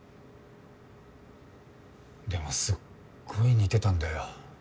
でもすっごい似てたんだよ。